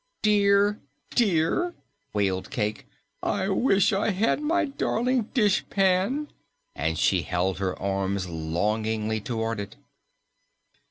"Dear, dear!" wailed Cayke, "I wish I had my darling dishpan," and she held her arms longingly toward it.